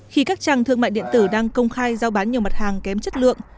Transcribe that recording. khi các trang thương mại điện tử đang công khai giao bán nhiều mặt hàng kém chất lượng